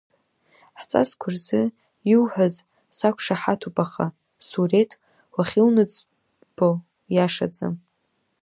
Ҳҵасқәа рзы иуҳәаз сақәшаҳаҭуп, аха Суреҭ уахьылныӡбо уиашаӡам.